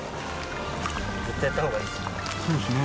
絶対やったほうがいいですね。